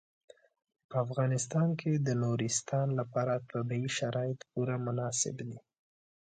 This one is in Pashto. په افغانستان کې د نورستان لپاره طبیعي شرایط پوره مناسب دي.